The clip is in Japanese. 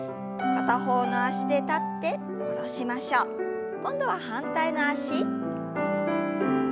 片方の脚で立って下ろしましょう。今度は反対の脚。